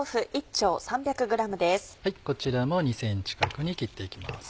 こちらも２ｃｍ角に切っていきます。